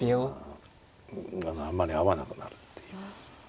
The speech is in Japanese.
あんまり会わなくなるっていう。